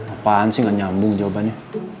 apaan sih nggak nyambung jawabannya